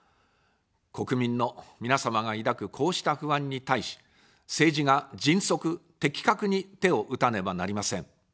国民の皆様が抱くこうした不安に対し、政治が迅速、的確に手を打たねばなりません。